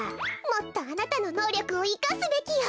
もっとあなたののうりょくをいかすべきよ。